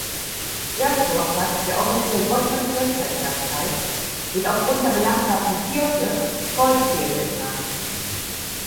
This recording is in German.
Der Sportplatz, der offiziell "Gottfried-Tönsfeld-Platz" heißt, wird aufgrund der benachbarten Kirche "Kreuzkirche" genannt.